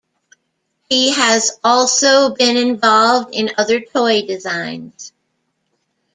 He has also been involved in other toy designs.